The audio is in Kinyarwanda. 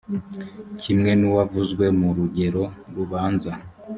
kimwe nuwavuzwe mu rugero rubanza.